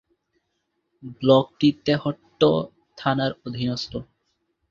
ব্লকটি তেহট্ট থানার অধীনস্থ।